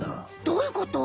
どういうこと？